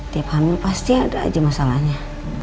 tiap hamil pasti ada aja masalahnya